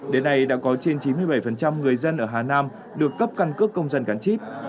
đến nay đã có trên chín mươi bảy người dân ở hà nam được cấp căn cước công dân gắn chip